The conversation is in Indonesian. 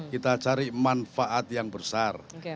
kita cari manfaat yang besar